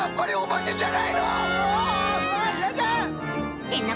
ってんな